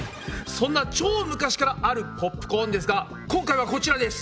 そんな超昔からあるポップコーンですが今回はこちらです。